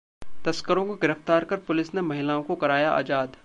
तस्करों को गिरफ्तार कर पुलिस ने महिलाओं को कराया आजाद